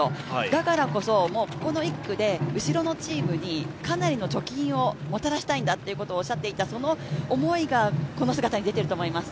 だからこそ、ここの１区で後ろのチームにかなりの貯金をもらたしたいとおっしゃっていた、その思いが、この姿に出ていると思います。